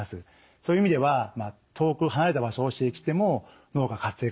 そういう意味では遠く離れた場所を刺激しても脳が活性化する。